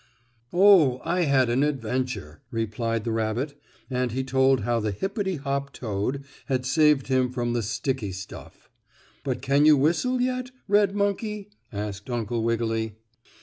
"Oh, I had an adventure," replied the rabbit, and he told how the hippity hop toad had saved him from the sticky stuff. "But can you whistle yet, red monkey?" asked Uncle Wiggily.